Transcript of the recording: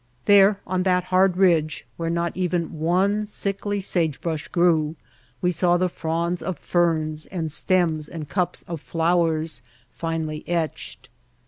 There, on that hard ridge, where not even one sickly sage brush grew, we saw the fronds of ferns and the stems and cups of flowers finely etched.